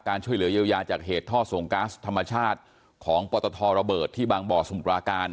ช่วยเหลือเยียวยาจากเหตุท่อส่งก๊าซธรรมชาติของปตทระเบิดที่บางบ่อสมุทราการ